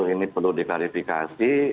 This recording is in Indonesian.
ini perlu diklarifikasi